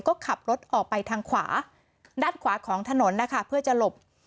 ก็ขับรถออกไปทางขวาด้านขวาของถนนนะคะเพื่อจะหลบ